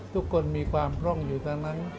ทุกคนมีความพร่องอยู่ทั้งนั้น